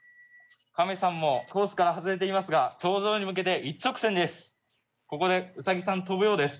カメさんもコースから外れていますが頂上に向けて一直線です！